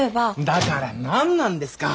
だから何なんですか！